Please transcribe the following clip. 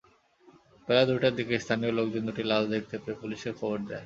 বেলা দুইটার দিকে স্থানীয় লোকজন দুটি লাশ দেখতে পেয়ে পুলিশকে খবর দেন।